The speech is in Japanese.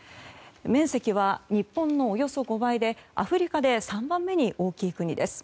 面積は日本のおよそ５倍でアフリカで３番目に大きい国です。